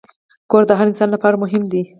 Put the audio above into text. کور د هر انسان لپاره مهم دی.